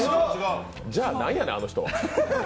じゃあ何やねん、あの人。